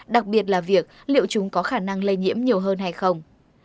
đặc biệt là việc liệu chúng có khả năng lây nhiễm nhiều hơn hay không